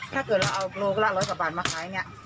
ถ้าเกิดเราเอาโลกละร้อยกว่าบาทมาขายเนี่ย